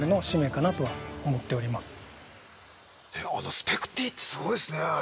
スペクティってすごいっすねあれ。